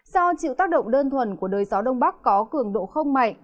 do chịu tác động đơn thuần của đới gió đông bắc có cường độ không mạnh